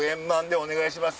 お願いします。